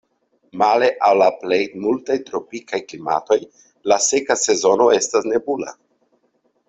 Male al la plej multaj tropikaj klimatoj la seka sezono estas nebula.